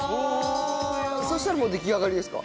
そしたらもう出来上がりですか？